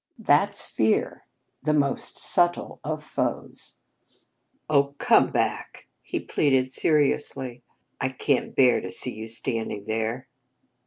"That's Fear the most subtle of foes!" "Oh, come back," he pleaded seriously, "I can't bear to see you standing there!"